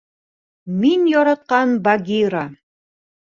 Мин яратҡан Багира...